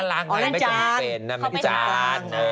น่ารักไงไม่จงเป็นมันจาน